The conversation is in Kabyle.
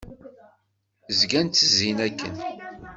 Zgan ttezzin akken.